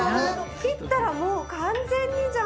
切ったらもう完全にじゃん。